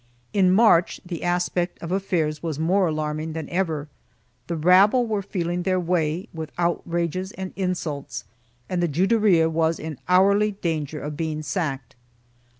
In March the aspect of affairs was more alarming than ever; the rabble were feeling their way, with outrages and insults, and the Juderia was in hourly danger of being sacked.